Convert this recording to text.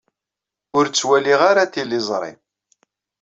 Ur ttwaliɣ ara tiliẓri.